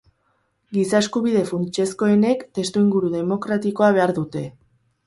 Giza-eskubide funtsezkoenek testuinguru demokratikoa behar dute.